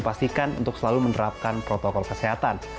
pastikan untuk selalu menerapkan protokol kesehatan